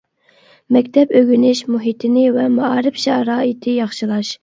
مەكتەپ ئۆگىنىش مۇھىتىنى ۋە مائارىپ شارائىتى ياخشىلاش.